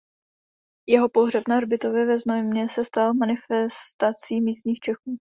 Jeho pohřeb na hřbitově ve Znojmě se stal manifestací místních Čechů.